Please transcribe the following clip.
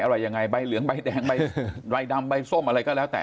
อะไรยังไงใบเหลืองใบแดงใบดำใบส้มอะไรก็แล้วแต่